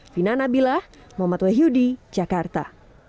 fina nabilah muhammad wahyudi jakarta